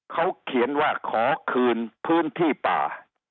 เขาเขียนว่าขอคืนพื้นที่ป่า